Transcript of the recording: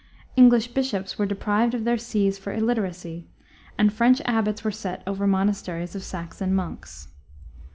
English bishops were deprived of their sees for illiteracy, and French abbots were set over monasteries of Saxon monks.